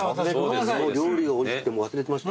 料理がおいしくて忘れてましたね。